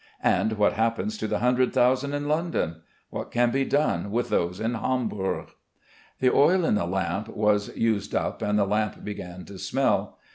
And what happens to the hundred thousand in London? What can be done with those in Hamburg? The oil in the lamp was used up and the lamp began to smell.